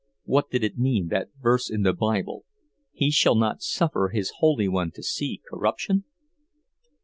What did it mean, that verse in the Bible, "He shall not suffer His holy one to see corruption"?